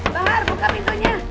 baha buka pintunya